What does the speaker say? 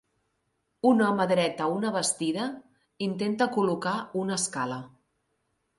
Un home dret a una bastida intenta col·locar una escala.